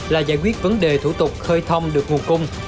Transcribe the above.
là giải quyết vấn đề thủ tục khơi thông được nguồn cung